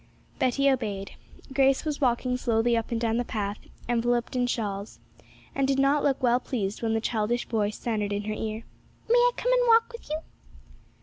Betty obeyed. Grace was walking slowly up and down the path, enveloped in shawls, and did not look well pleased when the childish voice sounded in her ear, 'May I come and walk with you?'